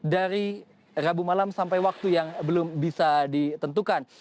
dari rabu malam sampai waktu yang belum bisa ditentukan